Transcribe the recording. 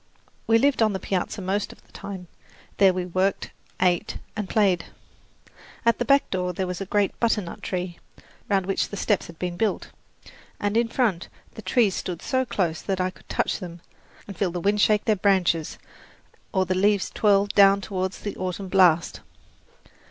We lived on the piazza most of the time there we worked, ate and played. At the back door there was a great butternut tree, round which the steps had been built, and in front the trees stood so close that I could touch them and feel the wind shake their branches, or the leaves twirl downward in the autumn blast.